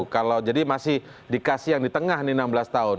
kalau jadi masih dikasih yang di tengah nih enam belas tahun